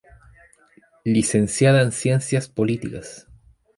Licenciada en Ciencias Políticas.